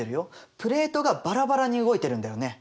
プレートがばらばらに動いてるんだよね。